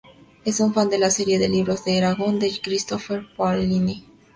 Es un fan de la serie de libros de Eragon de Christopher Paolini.